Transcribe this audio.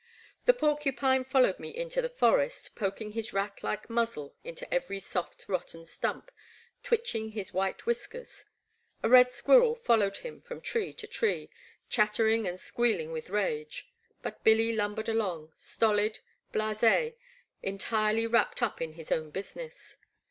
The porcupine followed me into the forest, poking his rat like muzzle into every soft rotten stump, twitching his white whiskers. A red squirrel followed him from tree to tree, chattering and squealing with rage, but Billy lumbered along, stolid, blas6, entirely wrapped up in his own business.